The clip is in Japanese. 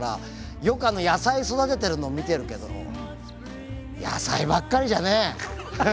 よく野菜育ててるのを見てるけど野菜ばっかりじゃね。